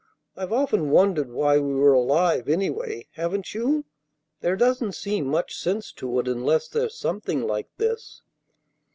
I've often wondered why we were alive, anyway, haven't you? There doesn't seem much sense to it unless there's something like this."